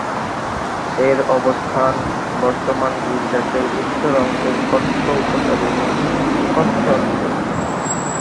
এর অবস্থান, বর্তমান গুজরাতের উত্তর অংশের কচ্ছ উপসাগরের কচ্ছ অঞ্চল।